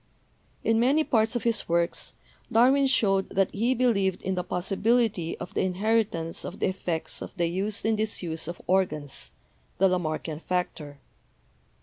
In many parts of his works Darwin showed that he believed in the possibility of the inheritance of the effects of the use and disuse of organs, the Lamarckian factor.